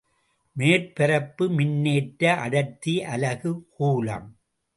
மேற்பரப்பு மின்னேற்ற அடர்த்தி அலகு கூலும்.